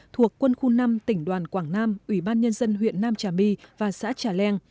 thuộc quân khu năm tỉnh đoàn quảng nam ủy ban nhân dân huyện nam trà my và xã trà leng